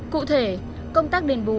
cụ thể công tác đền bù